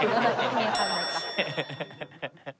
ハハハハハ。